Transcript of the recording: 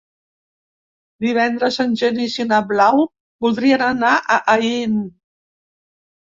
Divendres en Genís i na Blau voldrien anar a Aín.